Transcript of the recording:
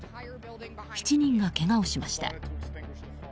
７人がけがをしました。